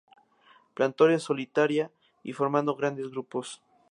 Planta solitaria o formando grandes grupos.